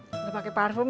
sudah pakai parfum